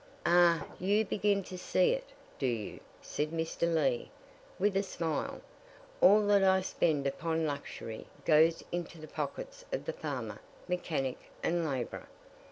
"Ah, you begin to see it do you?" said Mr. Lee, with a smile. "All that I spend upon luxury goes into the pockets of the farmer, mechanic, and laborer."